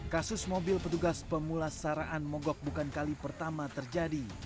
kasus mobil petugas pemulasaraan mogok bukan kali pertama terjadi